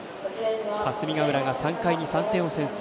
霞ヶ浦が３回に３点を先制。